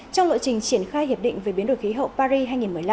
trong lộ trình triển khai hiệp định về biến đổi khí hậu paris hai nghìn một mươi năm